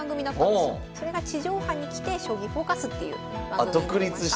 それが地上波に来て「将棋フォーカス」っていう番組になりました。